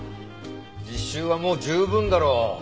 実習はもう十分だろう。